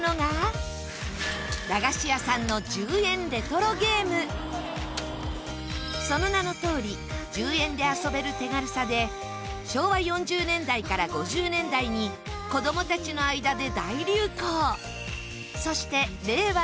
令和のそんな中その名のとおり１０円で遊べる手軽さで昭和４０年代から５０年代に子どもたちの間で大流行。